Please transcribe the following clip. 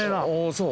そう。